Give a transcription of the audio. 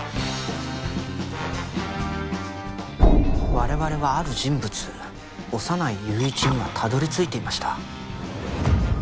我々は「ある人物」小山内雄一にはたどり着いていました。